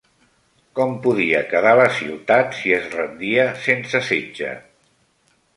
Com podia quedar la ciutat si es rendia sense setge?